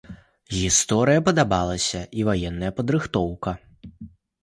Гісторыя падабалася і ваенная падрыхтоўка.